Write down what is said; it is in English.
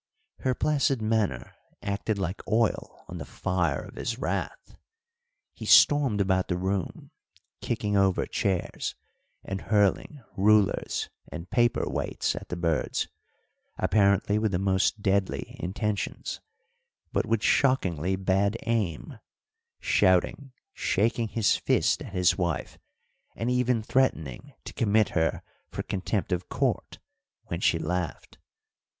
Her placid manner acted like oil on the fire of his wrath. He stormed about the room, kicking over chairs, and hurling rulers and paper weights at the birds, apparently with the most deadly intentions, but with shockingly bad aim shouting, shaking his fist at his wife, and even threatening to commit her for contempt of court when she laughed.